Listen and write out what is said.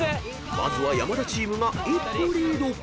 ［まずは山田チームが一歩リード］